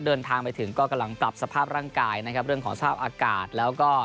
เดินทางไปถึงก็กำลังปรับสภาพร่างกายนะครับเรื่องของสภาพอากาศแล้วก็